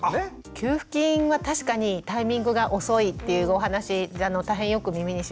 給付金は確かにタイミングが遅いっていうお話大変よく耳にします。